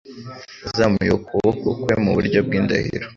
Azamuye ukuboko kwe mu buryo bw’indahiro,